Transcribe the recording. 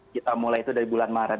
kita mulai itu dari bulan maret